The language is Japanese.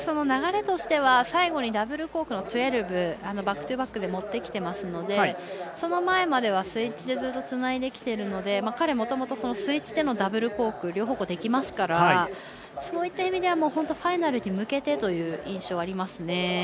流れとしては最後にダブルコークの１２６０、バックトゥバックで持ってきてますのでその前まではスイッチでずっとつないできてるので彼もともとスイッチでのダブルコーク両方向できますからそういった意味ではファイナルに向けてという印象がありますね。